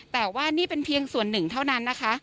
แต่ว่านี่เป็นเพียงส่วนหนึ่งเท่านั้นนะคะ